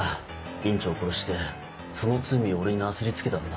院長を殺してその罪を俺になすり付けたんだ。